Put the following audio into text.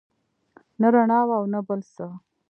نه رڼا وه او نه بل څه.